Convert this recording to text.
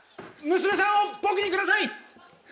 娘さんを僕にください！